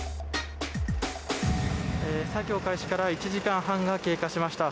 作業開始から１時間半が経過しました。